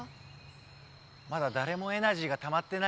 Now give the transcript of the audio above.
まだだれもエナジーがたまってないのに。